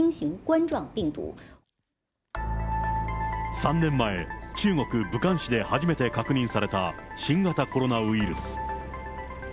３年前、中国・武漢市で初めて確認された新型コロナウイルス。